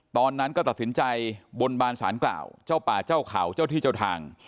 ตอนนั้นก็ตัดสินใจบนบานสารกล่าวเจ้าป่าเจ้าเขาเจ้าที่เจ้าทาง